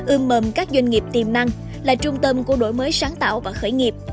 ưm mầm các doanh nghiệp tiềm năng là trung tâm của đổi mới sáng tạo và khởi nghiệp